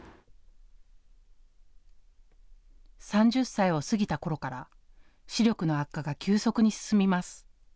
３０歳を過ぎたころから視力の悪化が急速に進みます。